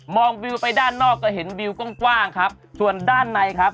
วิวไปด้านนอกก็เห็นวิวกว้างครับส่วนด้านในครับ